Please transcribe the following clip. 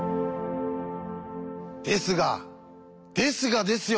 ですがですがですよ